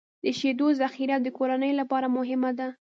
د شیدو ذخیره د کورنۍ لپاره مهمه ده.